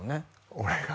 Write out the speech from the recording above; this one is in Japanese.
俺が？